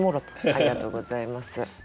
ありがとうございます。